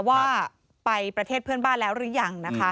ว่าไปประเทศเพื่อนบ้านแล้วรึยัง